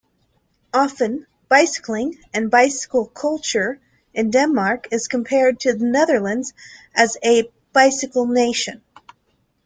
Often bicycling and bicycle-culture in Denmark is compared to the Netherlands as a bicycle-nation.